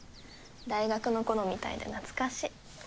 大学のころみたいで懐かしい。